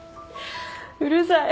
うるさい。